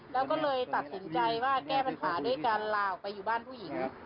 แล้วก็เลยตัดสินใจว่าแก้ปัญหาด้วยการลาออกไปอยู่บ้านผู้หญิง